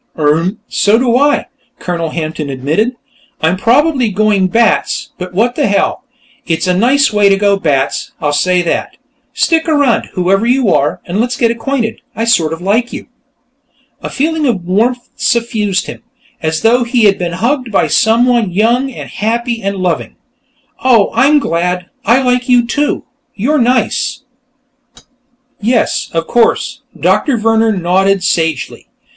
"Urmh! So do I," Colonel Hampton admitted. "I'm probably going bats, but what the hell? It's a nice way to go bats, I'll say that.... Stick around; whoever you are, and let's get acquainted. I sort of like you." A feeling of warmth suffused him, as though he had been hugged by someone young and happy and loving. "Oh, I'm glad. I like you, too; you're nice!" "Yes, of course." Doctor Vehrner nodded sagely.